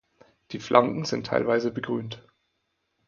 Die Flanken sind teilweise begrünt.